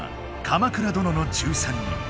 「鎌倉殿の１３人」。